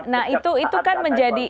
nah itu kan menjadi